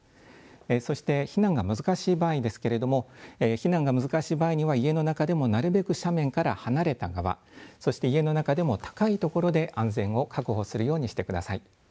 そして避難が難しい場合ですけれども避難が難しい場合には家の中でもなるべく斜面から離れた側、そして家の中でも高い所で安全を確保するようにしてください。